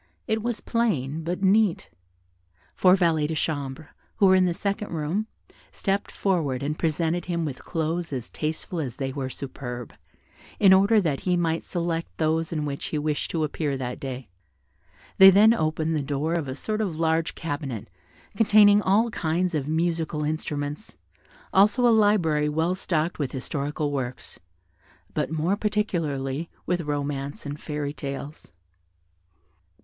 It was plain, but neat. Four valets de chambre, who were in the second room, stept forward and presented him with clothes as tasteful as they were superb, in order that he might select those in which he wished to appear that day. They then opened the door of a sort of large cabinet, containing all kinds of musical instruments, also a library well stocked with historical works, but more particularly with romances and fairy tales.